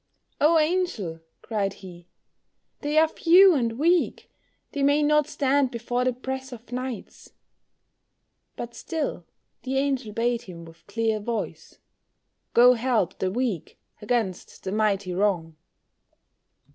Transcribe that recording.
"Oh, Angel!" cried he, "they are few and weak, They may not stand before the press of knights;" But still the angel bade him with clear voice, "Go help the weak against the mighty wrong."